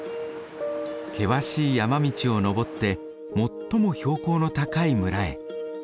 険しい山道を登って最も標高の高い村へ。